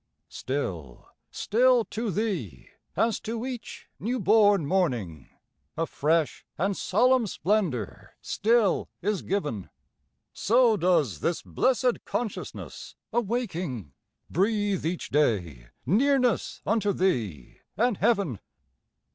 Still, still to Thee, as to each new born morning, A fresh and solemn splendor still is giv'n, So does this blessed consciousness awaking, Breathe each day nearness unto Thee and heav'n.